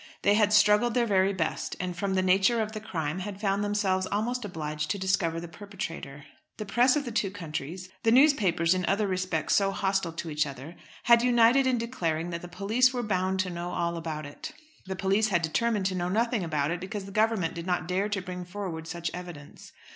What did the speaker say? They had struggled their very best, and, from the nature of the crime, had found themselves almost obliged to discover the perpetrator. The press of the two countries, the newspapers in other respects so hostile to each other, had united in declaring that the police were bound to know all about it. The police had determined to know nothing about it, because the Government did not dare to bring forward such evidence.